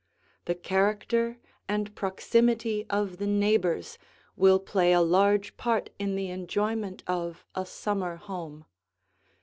The character and proximity of the neighbors will play a large part in the enjoyment of a summer home.